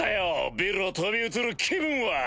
ビルを飛び移る気分は。